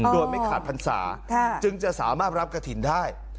โดยไม่ขาดพรรษาจึงจะสามารถรับกระถิ่นได้